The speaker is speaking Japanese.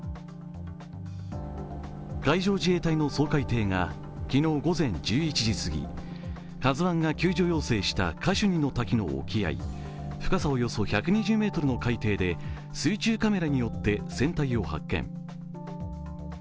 海上自衛隊の掃海艇が昨日午前１１時過ぎ、「ＫＡＺＵⅠ」が救助要請したカシュニの滝の沖合、深さおよそ１２０ｍの海底で水中カメラによって船体を発見。